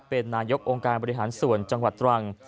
เป็นนายกองค์การบริหารส่วนจังหวัดตรัง